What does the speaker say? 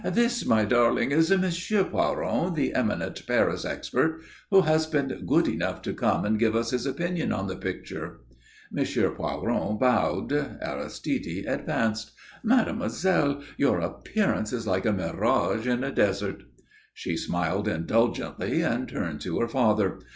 "This, my darling, is M. Poiron, the eminent Paris expert, who has been good enough to come and give us his opinion on the picture." M. Poiron bowed. Aristide advanced. "Mademoiselle, your appearance is like a mirage in a desert." She smiled indulgently and turned to her father.